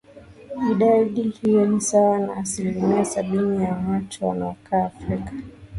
idadi hiyo ni sawa na asilimia sabini ya watu wanaokaa afrika